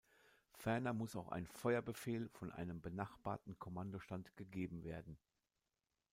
Ferner muss auch ein Feuerbefehl von einem benachbarten Kommandostand gegeben werden.